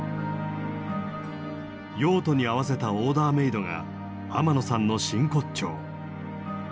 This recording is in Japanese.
用途に合わせたオーダーメードが天野さんの真骨頂。